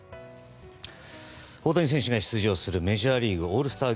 大谷選手が出場するメジャーリーグオールスター